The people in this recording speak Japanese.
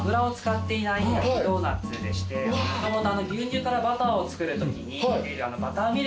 もともと。